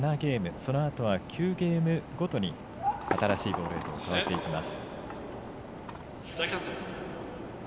そのあとは９ゲームごとに新しいボールへと変わっていきます。